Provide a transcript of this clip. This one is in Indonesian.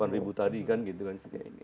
masih jauh dari rp delapan tadi kan